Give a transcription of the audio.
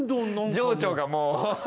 情緒がもう。